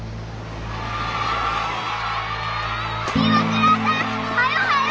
岩倉さんはよはよ！